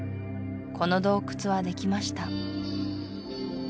この洞窟はできました